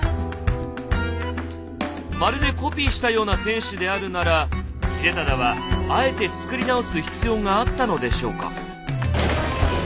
まるでコピーしたような天守であるなら秀忠はあえて造り直す必要があったのでしょうか？